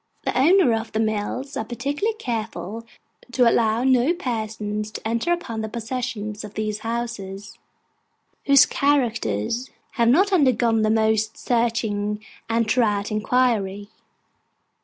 The owners of the mills are particularly careful to allow no persons to enter upon the possession of these houses, whose characters have not undergone the most searching and thorough inquiry.